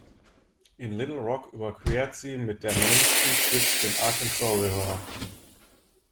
In Little Rock überquert sie mit der Main Street Bridge den Arkansas River.